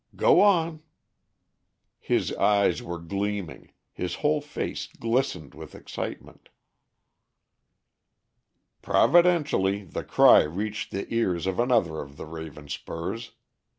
Go on!" His eyes were gleaming; his whole face glistened with excitement. "'Providentially the cry reached the ears of another of the Ravenspurs.